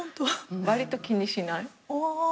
わりと気にしない。